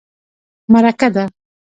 _مرکه ده.